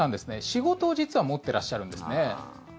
仕事を実は持っていらっしゃるんですね。